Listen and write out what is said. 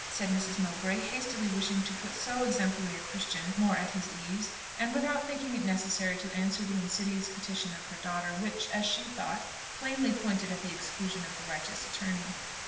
said Mrs. Mowbray hastily wishing to put so exemplary a Christian more at his ease, and without thinking it necessary to answer the insidious petition of her daughter, which, as she thought, plainly pointed at the exclusion of the righteous attorney.